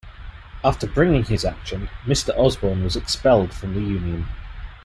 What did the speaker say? After bringing his action, Mr Osborne was expelled from the union.